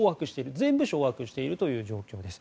全部掌握しているという状況です。